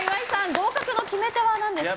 合格の決め手は何ですか？